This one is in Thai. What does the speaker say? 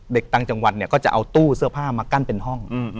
ต่างจังหวัดเนี่ยก็จะเอาตู้เสื้อผ้ามากั้นเป็นห้อง